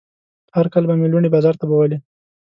هر کال به مې لوڼې بازار ته بوولې.